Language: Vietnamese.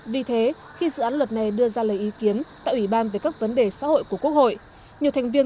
vì thế khi dự án luật này đưa ra lời ý kiến tại ủy ban về các vấn đề xã hội của quốc hội